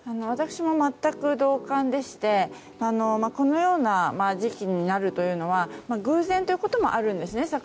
私も全く同感でしてこのような時期になるというのは偶然ということもあるんですね。